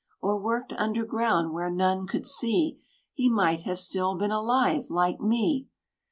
Or worked underground, where none could see, He might have still been alive, like me!"